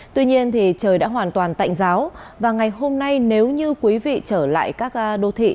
tuy nhiên thì trời đã hoàn toàn tạnh giáo và ngày hôm nay nếu như quý vị trở lại các đô thị